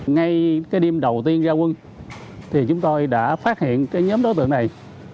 ngay cái đêm đầu tiên ra quân thì chúng tôi đã phát hiện cái nhóm đối tượng này